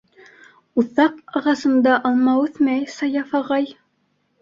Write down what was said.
Уҫаҡ ағасында алма үҫмәй, Саяф ағай!